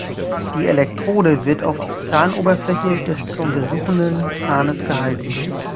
Die Elektrode wird auf die Zahnoberfläche des zu untersuchenden Zahnes gehalten.